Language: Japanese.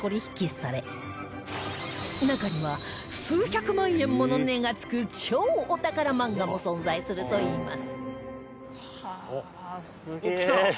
中には数百万円もの値が付く超お宝漫画も存在するといいます